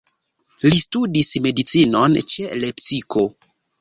Li studis medicinon ĉe Lepsiko.